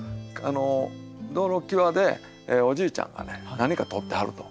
道路際でおじいちゃんが何か採ってはると。